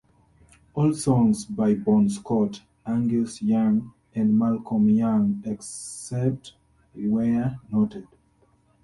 All songs by Bon Scott, Angus Young and Malcolm Young except where noted.